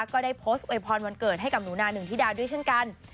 ก็ได้โพสต์อวยพรวันเกิดให้กับหนูนาหนึ่งธิดาด้วยเช่นกัน